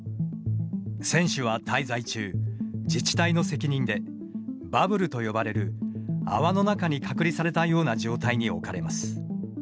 選手は滞在中、自治体の責任で「バブル」と呼ばれる泡の中に隔離されたような状態に置かれます。